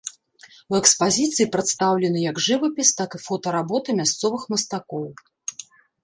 У экспазіцыі прадстаўлены як жывапіс, так і фотаработы мясцовых мастакоў.